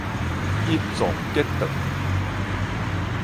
乙狀結腸